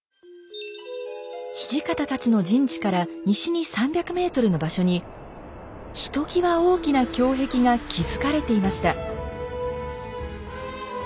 土方たちの陣地から西に３００ｍの場所にひときわ大きな胸壁が築かれていました。